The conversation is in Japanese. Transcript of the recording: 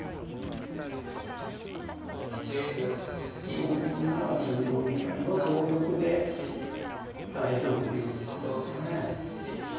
同銀不成同銀成は同玉で大丈夫という判断ですかね。